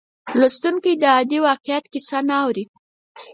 لوستونکی د عادي واقعیت کیسه نه اوري.